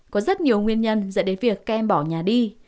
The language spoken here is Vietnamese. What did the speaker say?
có rất nhiều nguyên nhân dẫn đến việc các em bỏ nhà đi